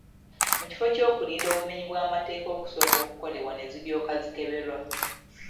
Mu kifo ky’okulinda obumenyi bw’amateeka okusooka okukolebwa ne ziryoka zikeberwa.